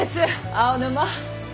青沼！